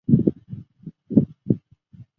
色麻町是位于宫城县西北部加美郡的一町。